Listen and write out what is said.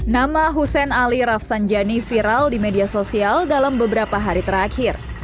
nama hussein ali rafsanjani viral di media sosial dalam beberapa hari terakhir